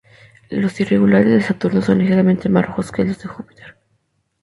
Los irregulares de Saturno son ligeramente más rojos que los de Júpiter.